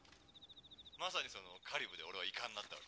まさにカリブで俺はイカになったわけ。